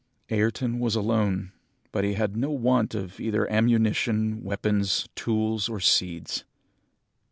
"Ayrton was alone, but he had no want of either ammunition, weapons, tools, or seeds.